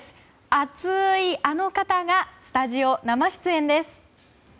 熱いあの方がスタジオ生出演です。